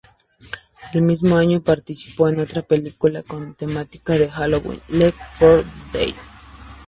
El mismo año, participó en otra película con temática de Halloween, "Left for Dead".